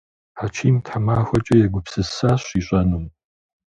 Хьэчим тхьэмахуэкӏэ егупсысащ ищӏэнум.